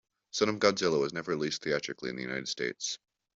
"Son of Godzilla" was never released theatrically in the United States.